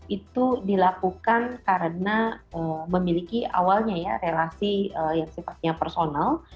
itu dilakukan karena memiliki awalnya ya relasi yang sifatnya personal